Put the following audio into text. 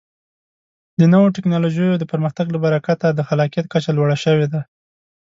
د نوو ټکنالوژیو د پرمختګ له برکته د خلاقیت کچه لوړه شوې ده.